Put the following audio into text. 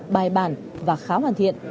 bài bản và khá hoàn thiện